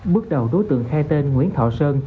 bước đầu đối tượng khai tên nguyễn thọ sơn